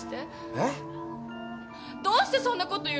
えっ！？どうしてそんなこと言うの？